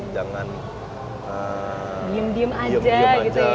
jangan diam diam aja gitu ya